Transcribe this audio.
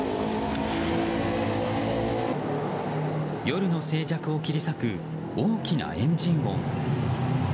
夜の静寂を切り裂く大きなエンジン音。